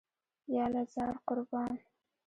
یاله زار، قربان.